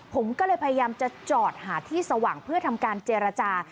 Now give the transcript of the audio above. ผมก็เลยพยายามจะจอดหาที่สว่างเพื่อทำการเจรจา